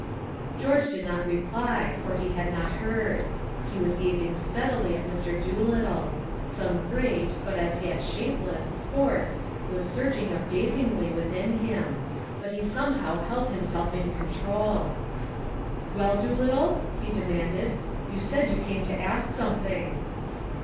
George did not reply, for he had not heard. He was gazing steadily at Mr. Doolittle; some great, but as yet shapeless, force was surging up dazingly within him. But he somehow held himself in control. "Well, Doolittle," he demanded, "you said you came to ask something."